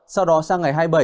sau đó sang ngày hai mươi bảy